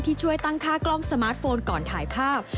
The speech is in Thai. ช่วยตั้งค่ากล้องสมาร์ทโฟนก่อนถ่ายภาพ